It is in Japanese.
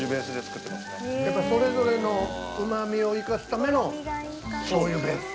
やっぱそれぞれのうまみを生かすための醤油ベース。